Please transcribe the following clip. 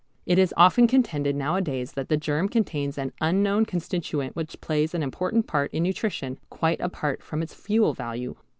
It is often contended nowadays that the germ contains an unknown constituent which plays an important part in nutrition, quite apart from its fuel value.